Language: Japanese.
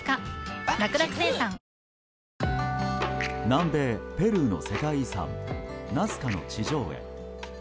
南米ペルーの世界遺産ナスカの地上絵。